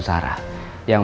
saya yang aja bangun